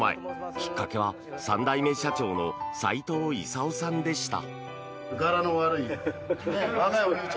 きっかけは３代目社長の斎藤功さんでした。